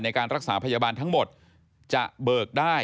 พบหน้าลูกแบบเป็นร่างไร้วิญญาณ